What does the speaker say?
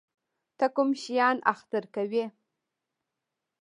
ته کوم شیان اختر کوې؟